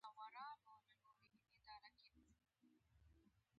زه د سړک اوږده سیوري خوښوم.